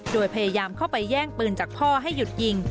โดยพยายามเข้าไปแย่งปืนจากพ่อให้หยุดยิง